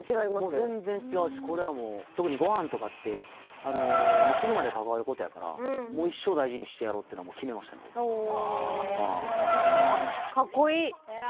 もう全然違うしこれはもう特にご飯とかって死ぬまで関わることやからもう一生大事にしてやろうってのは決めましたねへえかあ！